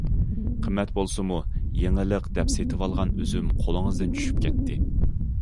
قىممەت بولسىمۇ، يېڭىلىق دەپ سېتىۋالغان ئۈزۈم قولىڭىزدىن چۈشۈپ كەتتى.